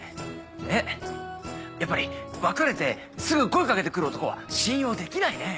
えっやっぱり別れてすぐ声掛けてくる男は信用できないねぇ。